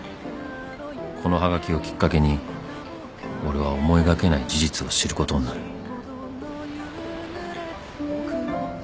［このはがきをきっかけに俺は思いがけない事実を知ることになる］